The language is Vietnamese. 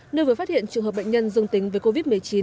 nơi vừa phát hiện trường hợp bệnh nhân dương tính với covid một mươi chín